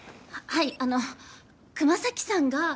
はいあのう熊咲さんが。